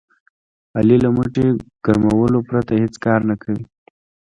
علي له موټي ګرمولو پرته هېڅ کار نه کوي.